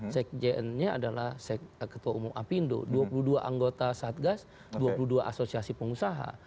sekjennya adalah ketua umum apindo dua puluh dua anggota satgas dua puluh dua asosiasi pengusaha